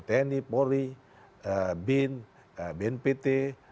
tni polri bin bnpt